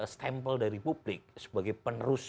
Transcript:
stempel dari publik sebagai penerus